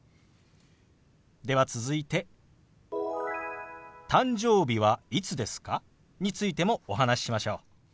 では続いて「誕生日はいつですか？」についてもお話ししましょう。